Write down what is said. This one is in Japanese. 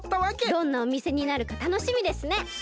どんなおみせになるかたのしみですね！